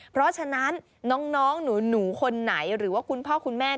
เพราะฉะนั้นน้องหนูคนไหนหรือว่าคุณพ่อคุณแม่